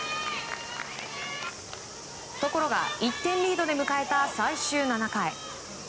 ところが１点リードで迎えた最終７回。